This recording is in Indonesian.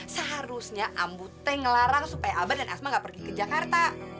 seharusnya ambu teh ngelarang supaya abah dan asma gak pergi ke jakarta